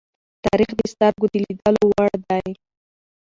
تاریخ د سترگو د لیدلو وړ دی.